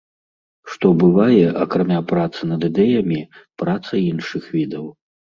Што бывае, акрамя працы над ідэямі, праца іншых відаў.